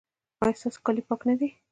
ایا ستاسو کالي پاک نه دي؟